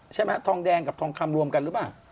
ทองแดงกับทองคำรวมกันหรือเปล่า